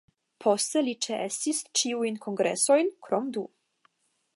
Poste li ĉeestis ĉiujn kongresojn, krom du.